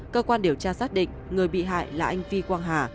cơ quan điều tra xác định người bị hại là anh vi quang hà